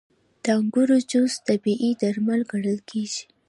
• د انګورو جوس طبیعي درمل ګڼل کېږي.